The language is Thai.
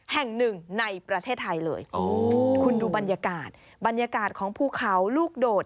แห่งหนึ่งในประเทศไทยเลยคุณดูบรรยากาศบรรยากาศของภูเขาลูกโดด